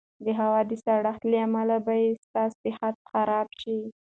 د هوا د سړښت له امله به ستا صحت خراب شي.